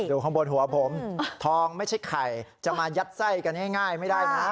ข้างบนหัวผมทองไม่ใช่ไข่จะมายัดไส้กันง่ายไม่ได้นะ